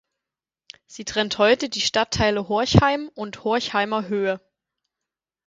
Sie trennt heute die Stadtteile Horchheim und Horchheimer Höhe.